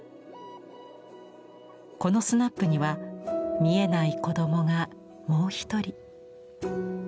このスナップには見えない子どもがもう一人。